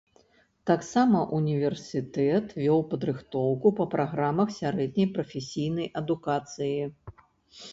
Таксама ўніверсітэт вёў падрыхтоўку па праграмах сярэдняй прафесійнай адукацыі.